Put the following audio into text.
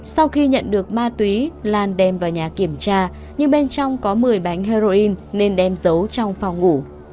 sau khi nhận được ma túy lan đem vào nhà kiểm tra nhưng bên trong có một mươi bánh heroin nên đem giấu trong phòng ngủ